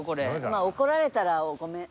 まあ怒られたらごめん。